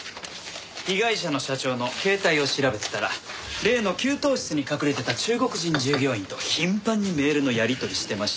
被害者の社長の携帯を調べてたら例の給湯室に隠れてた中国人従業員と頻繁にメールのやり取りしてまして。